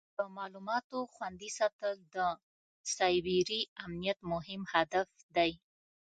د معلوماتو خوندي ساتل د سایبري امنیت مهم هدف دی.